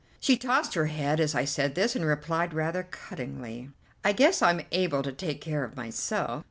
She tossed her head as I said this, and replied rather cuttingly: "I guess I'm able to take care of myself."